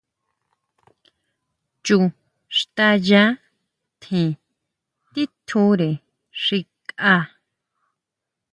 Chu xtaya tjen titjure xi kʼa.